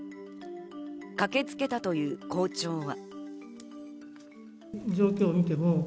駆けつけたという校長は。